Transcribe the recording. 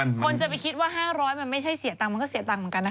คนจะไปคิดว่า๕๐๐มันไม่ใช่เสียตังค์มันก็เสียตังค์เหมือนกันนะคะ